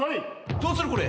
どうするこれ。